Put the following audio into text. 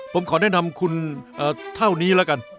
ผมขอแนะนำคุณเท่านี้แล้วกัน